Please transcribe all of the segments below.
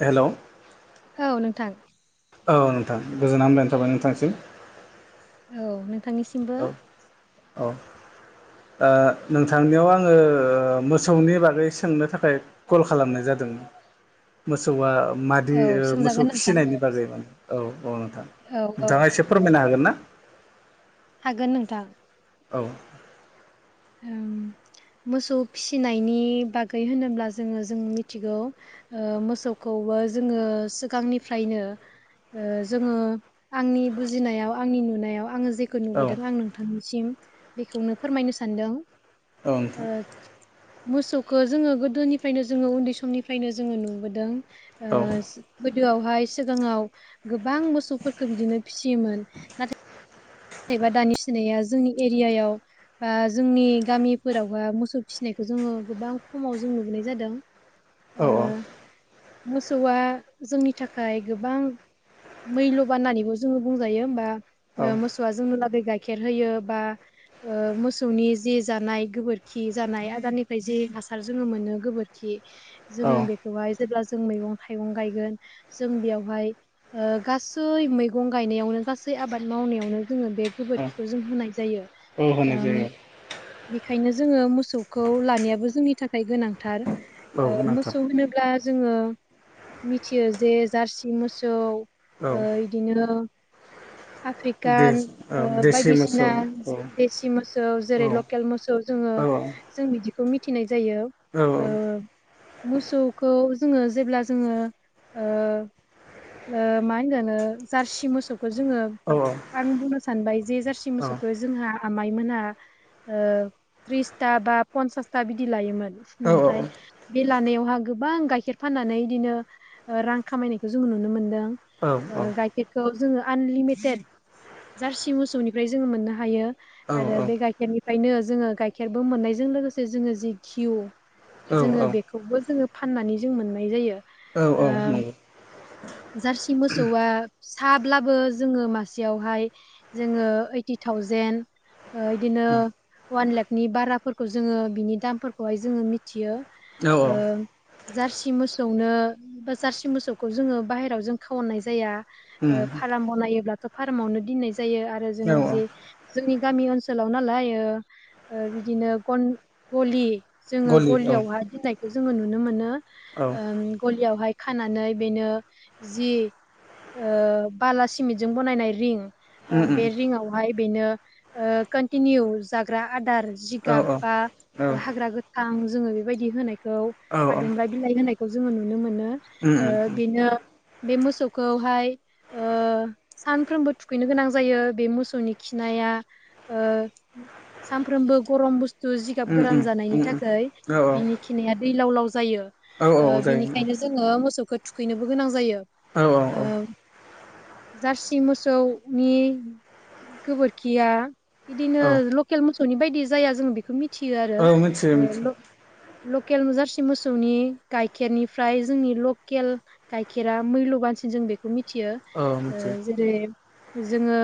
हेल' औ नोंथां। औ नोंथां गोजोना हलायनाय थाबाय नोंथांनिसिम। औ नोंथांनिसिमबो औ। ओ नोंथांनियाव आङो ओ मोसौनि बागै सोंनो थाखाय कल खालामनाय जादों। ओ मोसौआ मादि औ ओ मोसौ सोंजागोन नोंथां फिसिनायनि बागै औ औ औ औ नोंथाङा एसे फोरमायनो हागोन ना? हागोन नोंथां। औ [inaudible] ओम मोसौ फिसिनायनि बागै होनोब्ला जोङो जों मिथिगौ ओ मोसौखौ खौबो जोङो सिगांनिफ्रायनो ओ जोङो आंनि बुजिनायाव आंनि नुनायाव आङो जेखौ औ नुबोदों आं नोंथांनिसिम बेखौनो फोरमायनो सानदों औ ओ नोंथां मोसौखौ जोङो गोदोनिफ्रायनो जोङो उन्दै समनिफ्रायनो जोङो नुबोदों औ ओ गोदोआवहाय सिगाङाव गोबां मोसौफोरखौ बिदिनो फिसियोमोन नाथाय [unintelligible] दानि सिनाया जोंनि एरियायाव जोंनि गामिफोरावहा मोसौ फिसिनायखौ जोङो गोबां खमाव जों नुुबोनाय जादों। औ ओ औ मोसौआ जोंनि थाखाय गोबां मैल' बान होननानैबो जोङो बुंजायो होमबा औ ओ मोसौ जोंनोला दैै गाइखेर होयो बा ओ मोसौनि जे जानाय गोबोरखि जानाय आदारनिफ्राय जे हासार जोङो मोनो गोबोरखि जोङो बेखौहाय जेब्ला जों मैगं थाइगं गायगोन जों बेयावहाय गासै ओ मैगं गायनायावनो गा सै आबाद मावनायावनो जोङो बे औ गोबोरखिखौ जों होनाय जायो औ होनाय ओम जायो बेखायनो जोङो मोसौखौ लानायाबो जोंनि थाखाय गोनांथार औ ओ गोनांथार मोसौ होनोब्ला जोङो मिथियो जे जार्सि मोसौ औ बिदिनो दे आफ्रिकान औ ओ देसि मोसौ बायदिसिना औ देसि मोसौ जेरै लकेल मोसौ जोङो औ जों बिदि खौ मिथिनाय जायो औ औ ओ मोसौखौ जोङो जेब्ला जोङो ओ ओ मा होनगोन जारसि मोसौखौ जोङो आं बुंनो सानबाय जे जारसि औ मोसौखौ जोंहा आमाइमोनहा ओ त्रिसथा बा पन्सासथा बिदि लायोमोन औ ओमफ्राय बे लानायावहा गोबां गाइखेर फाननानै बिदिनो रां खामायनायखौ जोंङो नुनो मोनदों। औ ओ गाइखेरखौ जोङो आनलिमिटेड जारसि मोसौनिफ्राय जोङो मोननो हायो आरो बे गाइखेरनिफ्रायनो जोङो गाइखेरबो मोननायजों लोगोसे से जोङो जि घिउ औ जोङो बेखौबो जोङो फाननानै जों मोननाय जायो औ ओ औ नंगौ जारसि मोसौआ साब्लाबो जोङो मासेयावहाय जोङो ओइटि थावजेन बिदिनो वान लाखनि बाराफोरखौ जोङो बिनि दामफोरखौहाय जोङो मिथियो ओ [unintelligible] जारसि मोसौनो ओ जारसि मोसौखौ जोङो बाहेरायाव जों खावननाय जाया उम ओ फार्म बनायोब्लाथ' फार्मावनो दोननाय जायो आरो औ जोङो औ जे जोंनि गामि ओनसोलाव नालाय ओ बिदिनो गन गलि जोङो गलि औ गलियावहाय दोननायखौ जोङो नुनो मोनो औ ओम गलियावहाय खानानै बेनो जि ओ बाला सिमेटजों बानायनाय रिं उम उम बे रिङावहाय बेनो ओ कनटिनिउ जाग्रा आदार औ जिगाब औ बा औ हाग्रा गोथां जोङो बेबायदि होनायखौ औ आदुम बिलाइ होनाय जों नुनो मोनो। उम उम ओ बेनो बे मोसौखौहाय ओ सानफ्रोमबो थुखैनो गोनां जायो बे मोसौनि खिनाया ओ सानफ्रोमबो गरम बुस थु जिगाब उम गोरान उम जानायनि उम थाखाय औ बिनि खिनाया दैलाव लाव जायो औ औ ओ जायो बिनिखायनो जोङो मोसौ खौ थुखैनो गोनां जायो औ ओ औ जारसि मो सौनि गोबोरखिया बिदिनो औ लकेल मोसौनि बायदि जाया जों बेखौ मि थियो मिथियो मिथियो आरो लकेल जारसि मोसौनि गाइखेरनिफ्राय जोंनि लकेल गाइखेरा मैल्य बान सिन जों बेखौ मिथियो औ मिथियो जेरै जोङो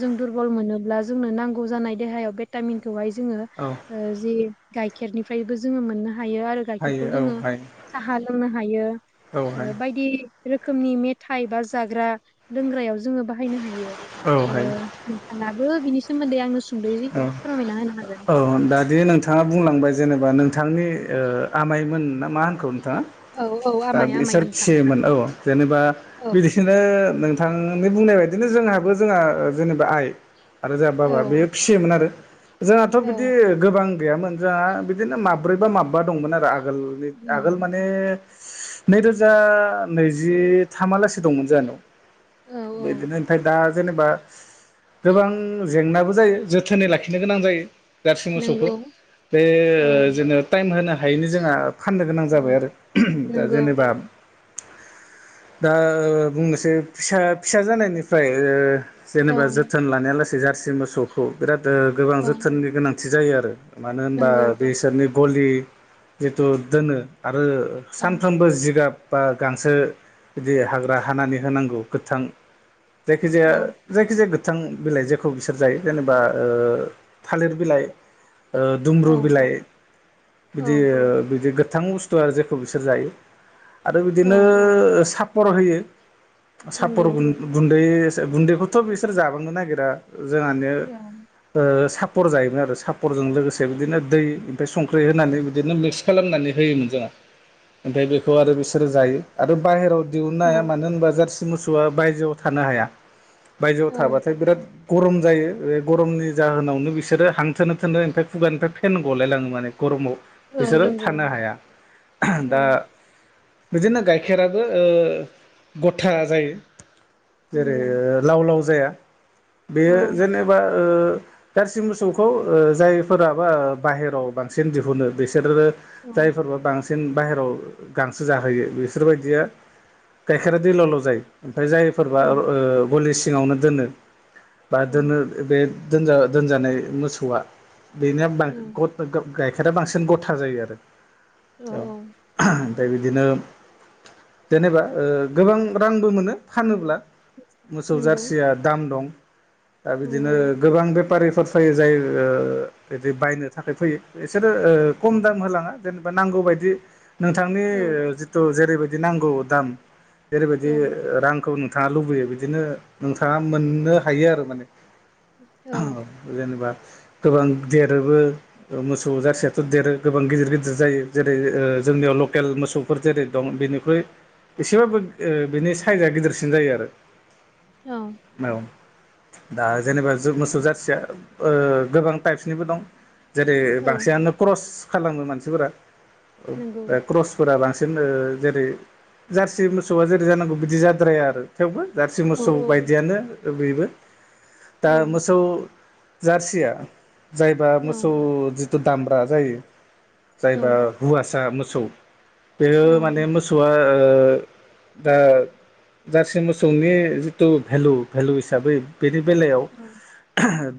जों दुरबल मोनोब्ला जोंनो नांगौ जानाय देहायाव भेटामिनखौहाय जोङो औ ओ जि गाइखेरनिफ्रायबो जोङो मोननो हा हायो आरो हायो गाइखेरखौ औ जोङो हायो साहा लोंनो हायो औ हायो बायदि रोखोमनि मेथाइ बा जाग्रा लोंग्रायाव जोङो बाहायनो हायो औ ओ हायो नोंथाङाबो बिनि सोमोन्दै आंनो सुंद'यै औ फोरमायना होनो हागोन औ दादि नोंथाङा बुंलांबाय जेनेबा नों थांनि ओ आमाइमोन ना मा होनखौ नोंथाङा औ औ दा आमाय आमाय बिसोर नोंथां फियमोन औ जेनेबा औ बिसिनो नों थांनि बुंनाय बायदिनो जोंहाबो जोंहा जेनेबा आइ आरो जोंहा औ बाबा बे औ जोंहाथ' बिदि गोबां गैयामोन जोंहा बिदिनो माब्रै बा माबा दंमोन आरो आगोल औ आगोल माने नैरोजा नैजिथामालासो दंमोन जोंहानाव औ औ बिदिनो ओमफ्राय दा जेनेबा गोबां जेंनाबो जायो जोथोनै लाखिनो गोनां जायो गारसि मोसौखौ नंगौ बे औ जेननो टाइम होनो हा नो जोंहा फाननो गोनां औ जाबाय आरो दा नंगौ जेनेबा दा बुंनोसै फिसा फिसा जानायनिफ्राय ओ औ जेनेबा जोथोन लानाया लासै जारसि मोसौखौ बिराद गोबां औ जोथोननि गोनांथि जायो आरो मानो होनबा नंगौ बेसोरनि गलि जिथु दोनो आरो औ सानफ्रोमबो जिगाब बा गांसो बिदि हाग्रा हानानै होनांगौ गोथां जायखिजाया औ जायखिजाया गोथां बिलाइ जायखौ बिसोर जायो जेनेबा ओ थालिर बिलाइ दुमब्रु औ बिलाइ बिदि औ बिदि ओ बिथां बुस्थु आरो जेखौ बिसोर जायो आरो बिदिनो औ सापर होयो सापर नंगौ गुन्दै गुन्दैखौथ' बिसोर जाबांनो नागिरा जोंहानि औ ओ सापर जायोमोन आरो सापरजों लोगोसे बिदिनो दै ओमफ्राय संख्रि होनानै बिदिनो मिक्स खालामनानै होयोमोन जोंहा ओमफ्राय बेखौ आरो बिसोरो जायो आरो बाहेरायाव दिहुननो हाया औ मानो होनबा जार्सि मोसौआ बायजोआव थानो हाया बायजोआव औ थाबाथाय बिराद गरम जायो बे गरमनि जाहोनावनो बिसोरो हांथोनो थोनो ओमफ्राय खुगानिफ्राय फेन गलायलाङो माने गरमाव औ बिसोरो नंगौ थानो हाया औ दा बिदिनो गाइखेराबो ओ गथा जायो जेरै नंगौ लाव लाव जाया औ बेयो जेनेबा ओ जारसि मोसौखौ ओ जायफोराबा बाहेराव बांसिन दिहुनो बेसो सोर औ जायफोरबा बांसिन बाहेराव गांसो जाहोयो बिसोरबायदिया गाइखेरा दै लाव लाव जायो जायफोरबा औ ओ गलि सिङावनो दोनो बा औ दोनो बे दोनजा दोनजानाय मोसौआ बेना [unintelligible] गाइ खेरा बांसिन गथा जायो आरो औ औ औ फ्राय बिदिनोम जेनेबा ओ गोबां रांबो मोनो फानोब्ला मोसौ नंगौ जारसिया दाम दं। दा बिदिनो नंगौ गोबां बेपारिफोर फैयो जाय ओ बिदि बायनो थाखाय फैयो एस सोरो ओ औ खम दाम होलाङा जेनेबा नांगौ बायदि नोंथांनि औ ओ जिथु जेरैबायद दि नांगौ दाम जेरैबायदि औ ओ रांखौ नोंथ थाङा लुबैयो बिदिनो नोंथाङा मोननो हायो आरो माने औ जेनेबा गोबां देरोबो ओ मोसौ जारसियाथ' देरो गोबां गिदिर गिदिर जायो जेरै ओ जोंनियाव लकेल मोसौफोर जेरै दं बेनिख्रुइ एसेबाबो ओ बिनिस साइजआ गिदिरसिन जायो आरो मायाव दा जेनेबा जोब मोसौ जारसिया ओ गोबां टाइप्स निबो दं। जेरै औ बांसिनानो क्रस खालामो मानसिफोरा औ नंगौ बे क्रसफोरा बांस सिन ओ जेरै जारसि मोसौआ जेरै जानांगौ बिदि जाद्राया आरो थेवबो जारसि औ मोसौ बायदियानो ओ बेबो औ दा मोसौ जारसिया जायबा औ मोसौ जिथु दामब्रा जायो। औ जायबा हुवासा मोसौ बेयो औ माने मोसौआ ओ ओ दा जारसि मोसौनि जिटु भेलु भेलु हिसाबै बेनि बेलायाव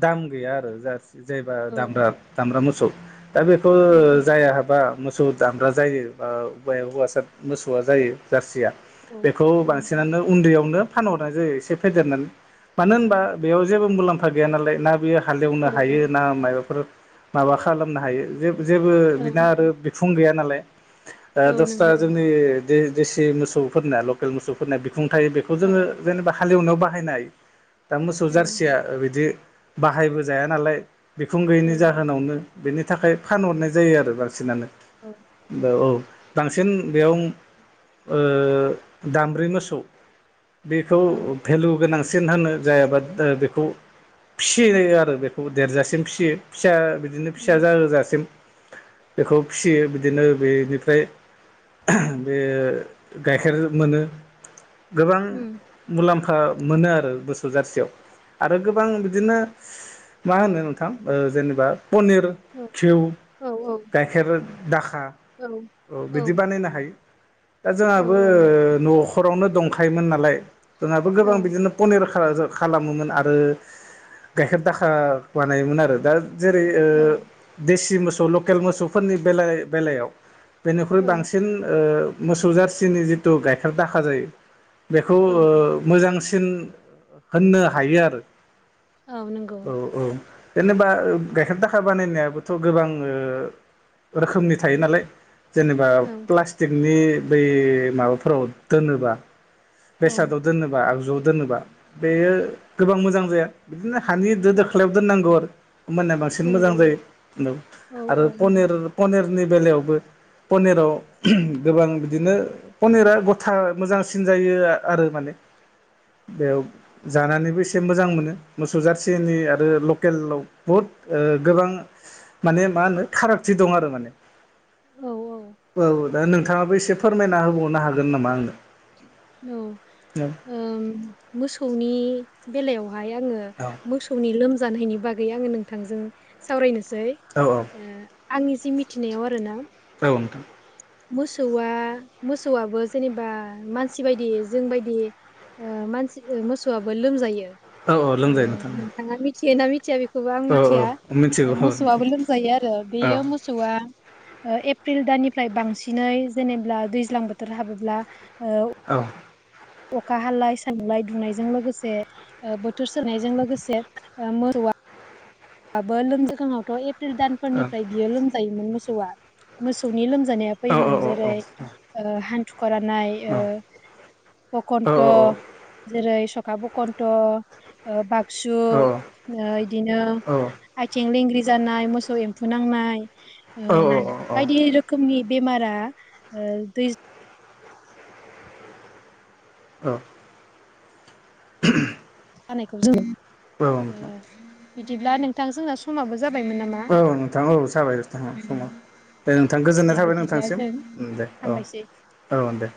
दाम गैया आरो जास जायबा औ दामब्रा दामब्रा मोसौ दा बेखौ ओ जाया हाबा मोसौ दामब्रा जायो बा बेव हौवासा मोसौआ जायो जारसिया औ बेखौ बांसिनानो उन्दैयावनो फानहरनाय जायो एसे फेदेरनानै मानो होनबा बेयाव जेबो मुलाम्फा गैया नालाय ना बेयो हालेवनो औ हायो ना मायाव फोर माबा खालामनो हायो जेब जेबो बिना आरो बिखुं गैया नालाय ओ औ दस्रा नंगौ जोंनि दे-देसि मोसौफोरना लकेल मोसौफोरना बिख खुंथायो बेखौ औ जोङो जेनेबा हालेवनायाव बाहायनो हायो दा मोसौ जारसिया ओ बिदि बाहाय बोजाया नालाय बिखुं गैयैनि जाहोनावनो बेनि थाखाय फानहरनाय जायो आरो बांसिनानो औ औ बांसिन बेयाव ओ दामब्रि मोसौ बेखौ औ भेलु गोनांसिन होनो जायाबाद दा बेखौ फिसिनाय जायो आरो बेखौ देरजासिम फिसियो फिसा बेख बिदिनो फिसा उम जाहोजासिम बेखौ फिसियो बिदिनो बेनिफ्राय बे गाइखेर मोनो। गोबां मुलाम्फा मोनो आरो बोस जारसियाव आरो गोबां बिदिनो मा होनो नोंथां ओ जेनेबा पनि, औ घिउ, औ गाइखेर दाख खा औ औ बिदि बानायनो हायो। दा जोंहाबो नंगौ ओ न'खरावनो दंखायोमोन नालाय जोंहाबो गोबां औ बिदिनो पनिर ख खा जो खालामोमोन आरो गाइखेर दाखा बानायोमोन आरो दा जेरै ओ औ देसि मोसौ लकेल मोसौफोरनि बेलाय बेलायाव बेनिख्रुइ औ बांसिन ओ मोसौ जारसिनि जिटु गाइखेर दाखा जायो बेखौ ओ मोजांसिन होननो हायो आरो औ औ जेनेबा ओ गाइखेर दाखा बानायनायाबोथ' गोबां ओ रोखोमनि थायो नालाय जेनेबा औ प्लास्टिकनि बै माबाफोराव दोनोबा औ बेसादाव दोनोबा आगजुआव दोनोबा बेयो गोबां मोजां जाया बिदिनो हानि दो दोख्लायाव दोननांगौ आरो होमबाना बांसिन मोजां नंगौ जायो नो औ आरो औ पनिर पनिरनि बेलायावबो पनिराव गोबां बिदिनो पनिरा गथा मोजांसिन जायो आरो माने बेयाव जानानैबो एसे मोजां मोनो मोसौ जारसेनि आरो लकेलाव बुहुद ओ गोबां स माने मा होनो फारागथि दं आरो माने। औ औ दा नोंथाङाबो एसे फोरमायना होबावनो हागोन नामा आंनो? औ ओ मोसौनि बेलायाव बेहाय आङो औ मोसौनि लोमजानायनि बागै आङो नोंथांजों सावरायनो सै औ औ ओ आंनि जि मिथिनायाव आरो ना। औ नोंथां। मोसौआ मोसौआबो जेनेबा मानसि बायदि जोंबायदि ओ मानसि मोसौआबो लोमजायो औ ओ लोंजायो नोंथां नोंथाङा मिथियोना मि मिथिया बेखौबो आं औ मिथिया औ मिथिगौ औ नोंथां मोसौआबो लोमजायो आरो औ बेयो मोसौआ ओ एप्रिल दाननिफ्राय बांसिनै जेनेब्ला दैज्लां बोथोर हाबोब्ला औ अखा हालालाय सानलाय दुंनायजों लोगोसे ओ बोथोर सोनायजों लोगोसे ओ मोसौ [unintelligible] आंबो लोमजाखाङावथ' एप्रिल दानफोरनिफ्राय बियो लोमजायोमोन मोसौआ मोसौनि लोम लोमजानायआ औ औ फैयोमोन औ जेरै ओ हान्थु करायनाय ओ फकन्थ जेरै स आबुखन्थ' ओ बाक्सु ओ इदिनो आथिं लेंग्रि जानाय मोसौ एम्फौ नांनाय औ ओ औ बायदि रोखोमनि बेमारा ओ दै औ [unintelligible] जानायखौ जों नोंथां ओ बिदिब्ला नोंथां जोंना समाबो जाबायमोन नामा? औ नोंथां औ जाबाय औ समा। दे नोंथां दे गोजोननाय थाबाय बिदिब्ला नोंथांसिम जों उम दे औ हामबायसै। औ दे।